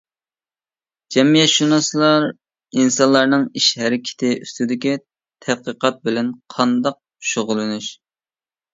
جەمئىيەتشۇناسلار ئىنسانلارنىڭ ئىش-ھەرىكىتى ئۈستىدىكى تەتقىقات بىلەن قانداق شۇغۇللىنىش.